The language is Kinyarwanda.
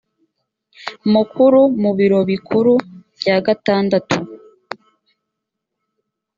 mukuru mu biro bikuru bya gatandatu